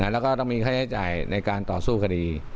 แล้วก็ต้องมีค่าใช้จ่ายในการต่อสู้คดี